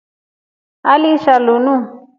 Aliisha linu.